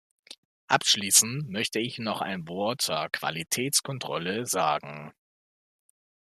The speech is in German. Abschließend möchte ich noch ein Wort zur Qualitätskontrolle sagen.